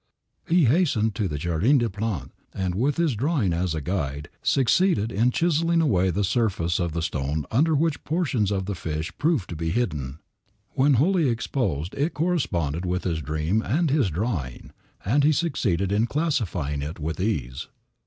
He hastened to the Jardin des Plantes, and, with his drawing as a guide, succeeded in chiseling away the surface of the stone under which portions of the fish proved to be hidden. When wholly exposed it corresponded with his dream and his drawing, and he succeeded in classifying it with ease."